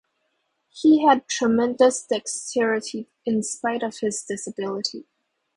He had tremendous dexterity, in spite of his disability.